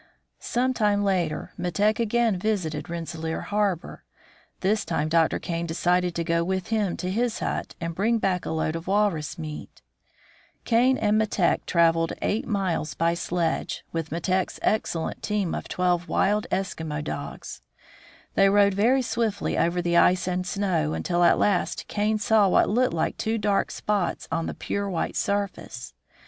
Some time later Metek again visited Rensselaer Harbor. This time Dr. Kane decided to go with him to his hut, and bring back a load of walrus meat. Kane and Metek THE ESKIMOS 43 traveled eight miles by sledge, with Metek's excellent team of twelve wild Eskimo dogs. They rode very swiftly over the ice and snow, until at last Kane saw what looked like two dark spots on the pure white surface.